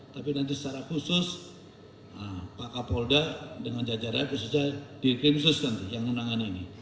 tapi nanti secara khusus pak kapolda dengan jajarannya khususnya di krimsus nanti yang menangani ini